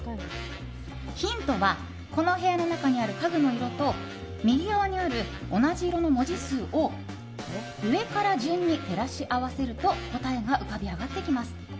ヒントはこの部屋の中にある家具の色と右側にある同じ色の文字数を上から順に照らし合わせると答えが浮かび上がってきます。